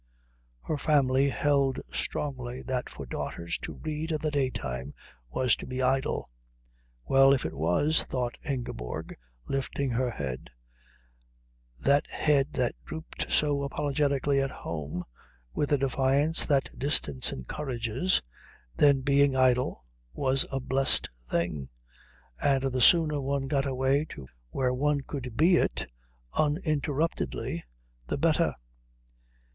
Her family held strongly that for daughters to read in the daytime was to be idle. Well, if it was, thought Ingeborg lifting her head, that head that drooped so apologetically at home, with the defiance that distance encourages, then being idle was a blessed thing and the sooner one got away to where one could be it, uninterruptedly, the better.